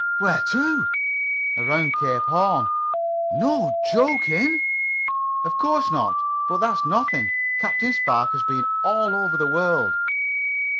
"Where to?" "Around Cape Horn." "No jokin'?" "Of course not. But that's nothing. Captain Spark has been all over the world."